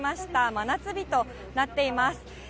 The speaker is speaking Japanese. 真夏日となっています。